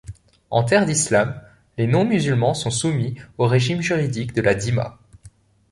En terre d'islam, les non-musulmans sont soumis au régime juridique de la dhimma.